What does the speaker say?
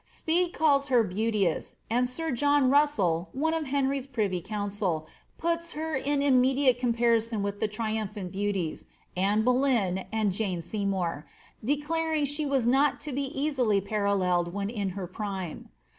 Speed calls her ^ beauteous,^' and hn Russell, one of Henry's privy council, puts her in immediate irison with the triumphant beauties, Anne Boleyn and Jane Sey declaring' she was not to be easily paralleled when in her prime.